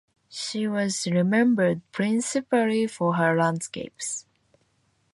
She was remembered principally for her landscapes.